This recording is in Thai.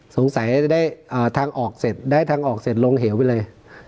จะได้ทางออกเสร็จได้ทางออกเสร็จลงเหวไปเลย